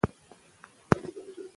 زده کوونکي به ګډ کار کوي.